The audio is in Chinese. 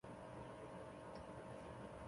出生于北宁省顺成县。